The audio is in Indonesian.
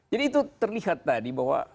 itu terlihat tadi bahwa